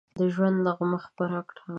د ژوند نغمه خپره کړي